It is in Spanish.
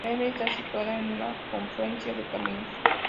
Memmingen está situada en una confluencia de caminos.